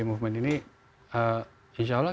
movement ini insya allah